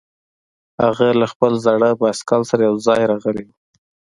هغه له خپل زاړه بایسکل سره یوځای راغلی و